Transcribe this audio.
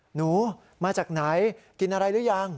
หนูมาจากไหนกินอะไรหรือยัง